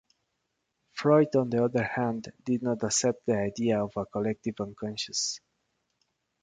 Freud, on the other hand, did not accept the idea of a collective unconscious.